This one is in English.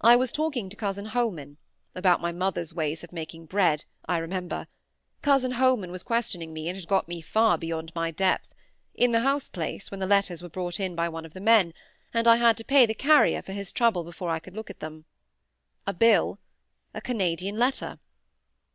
I was talking to cousin Holman—about my mother's ways of making bread, I remember; cousin Holman was questioning me, and had got me far beyond my depth—in the house place, when the letters were brought in by one of the men, and I had to pay the carrier for his trouble before I could look at them. A bill—a Canadian letter!